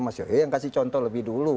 mas yoyo yang kasih contoh lebih dulu